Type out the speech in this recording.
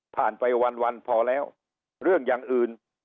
ผ่านไปวันวันพอแล้วเรื่องอย่างอื่น